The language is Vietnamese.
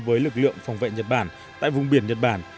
với lực lượng phòng vệ nhật bản tại vùng biển nhật bản